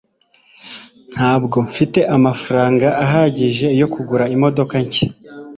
ntabwo mfite amafaranga ahagije yo kugura imodoka nshya